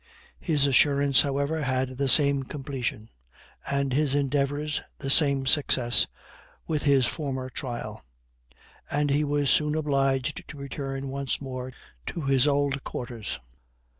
His assurance, however, had the same completion, and his endeavors the same success, with his formal trial; and he was soon obliged to return once more to his old quarters.